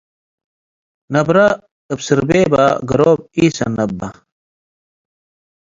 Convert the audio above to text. ነብረ እብ ስርቤበ፡ ገሮብ ኢሰኔ በ።